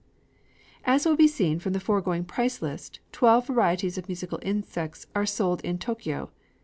IV As will be seen from the foregoing price list, twelve varieties of musical insects are sold in Tōkyō.